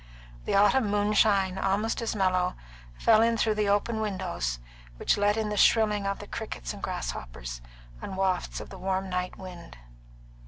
The autumn moonshine, almost as mellow, fell in through the open windows, which let in the shrilling of the crickets and grasshoppers, and wafts of the warm night wind.